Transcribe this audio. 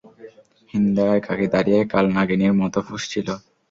হিন্দা একাকী দাঁড়িয়ে কালনাগিনীর মত ফুঁসছিল।